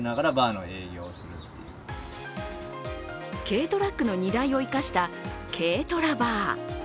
軽トラックの荷台を生かした軽トラＢａｒ。